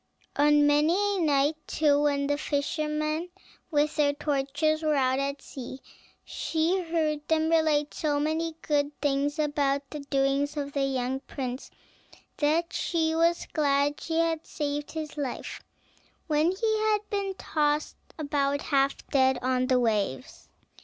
On many a night, too, when the fishermen, with their torches, were out at sea, she heard them relate so many good things about the doings of the young prince, that she was glad she had saved his life when he had been tossed about half dead on the waves.